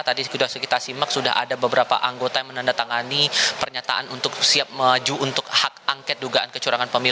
tadi sudah kita simak sudah ada beberapa anggota yang menandatangani pernyataan untuk siap maju untuk hak angket dugaan kecurangan pemilu